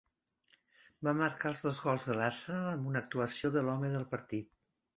Va marcar els dos gols de l'Arsenal amb una actuació de l'home del partit.